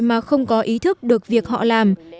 mà không có ý thức được việc họ làm